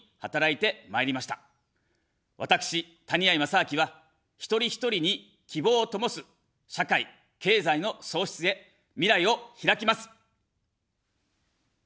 私、谷あい正明は、一人ひとりに希望を灯す社会・経済の創出へ、未来をひらきます。